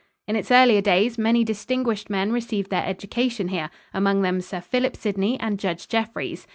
In its earlier days, many distinguished men received their education here, among them Sir Philip Sidney and Judge Jeffreys.